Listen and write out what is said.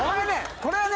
これはね